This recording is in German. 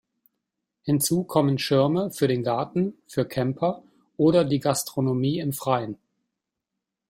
Hinzu kommen Schirme für den Garten, für Camper oder die Gastronomie im Freien.